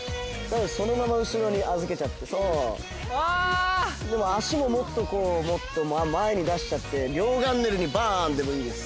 そのまま後ろに預けちゃってそううわーっ足ももっとこうもっと前に出しちゃって両ガンネルにバーンでもいいです